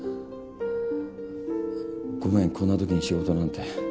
ごめんこんなときに仕事なんて。